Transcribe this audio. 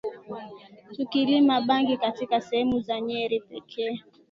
Tukilima bangi katika sehemu za Nyeri pekee